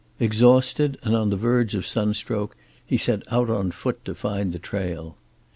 Exhausted and on the verge of sunstroke, he set out on foot to find the trail.